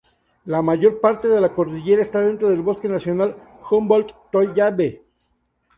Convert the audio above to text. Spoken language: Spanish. La mayor parte de la cordillera está dentro del bosque Nacional Humboldt-Toiyabe.